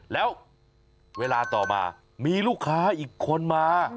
แล้วเวลาต่อมามีลูกค้าอีกคนมา